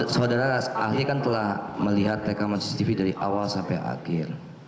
saudara ahli kan telah melihat rekaman cctv dari awal sampai akhir